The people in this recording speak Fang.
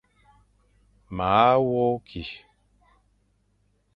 Maa wok ki.